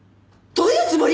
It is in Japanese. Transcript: どういうつもり？